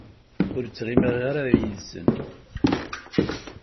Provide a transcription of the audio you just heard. Ur ttɣimiɣ ara yid-sen.